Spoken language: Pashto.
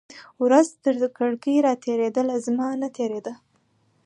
ورځ ترکړکۍ را تیریدله، زمانه تیره ده